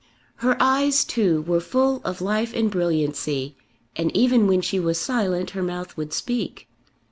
Her eyes, too, were full of life and brilliancy, and even when she was silent her mouth would speak.